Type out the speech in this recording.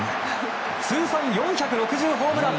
通算４６０ホームラン。